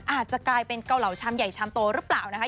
อาจจะกลายเป็นเก่าเหล่าชำใหญ่ชำโตรึเปล่านะมั้ย